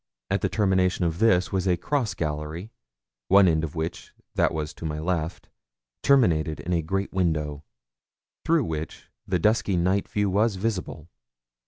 At the termination of this was a cross gallery, one end of which that to my left terminated in a great window, through which the dusky night view was visible.